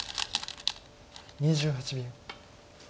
２８秒。